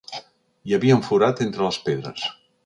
Hi havia un forat entre les pedres.